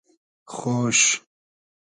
خۉش